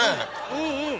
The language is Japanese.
うんうん。